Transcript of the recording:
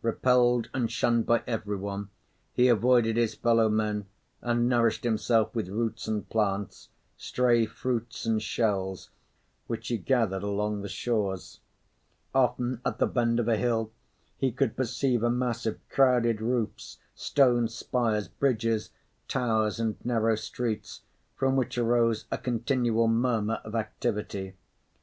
Repelled and shunned by everyone, he avoided his fellow men and nourished himself with roots and plants, stray fruits and shells which he gathered along the shores. Often, at the bend of a hill, he could perceive a mass of crowded roofs, stone spires, bridges, towers and narrow streets, from which arose a continual murmur of activity.